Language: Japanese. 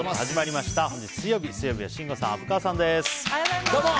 始まりました。